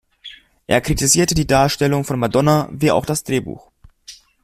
Er kritisierte die Darstellung von Madonna wie auch das Drehbuch.